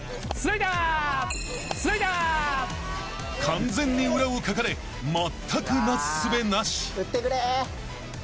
［完全に裏をかかれまったくなすすべなし］